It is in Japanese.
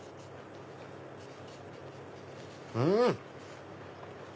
うん！